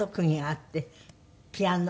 ピアノ。